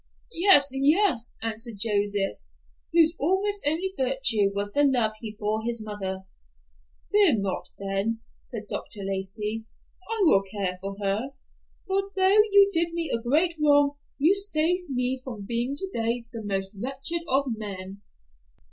"Yes, yes," answered Joseph, whose almost only virtue was the love he bore his mother. "Fear not, then," said Dr. Lacey, "I will care for her; for though you did me a great wrong, you saved me from being today the most wretched of men."